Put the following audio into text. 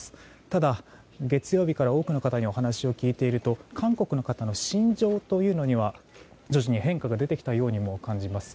ただ、月曜日から多くの方にお話を聞いていると韓国の方の心情というのには徐々に変化が出てきたように感じます。